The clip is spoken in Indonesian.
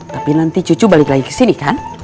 tapi nanti cucu balik lagi ke sini kan